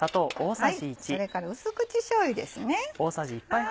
それから淡口しょうゆです。